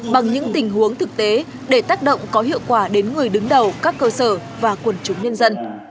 bằng những tình huống thực tế để tác động có hiệu quả đến người đứng đầu các cơ sở và quần chúng nhân dân